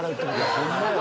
すごい！